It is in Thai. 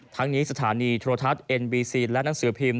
ทั้งนี้สถานีโทรทัศน์เอ็นบีซีนและหนังสือพิม